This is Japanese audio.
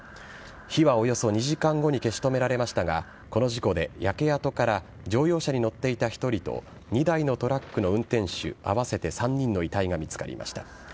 火はおよそ２時間後に消し止められましたがこの事故で焼け跡から乗用車に乗っていた１人と２台のトラックの運転手合わせて３人の遺体が見つかりました。